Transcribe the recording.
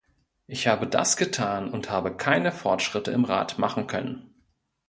Ich habe das getan und habe keine Fortschritte im Rat machen können.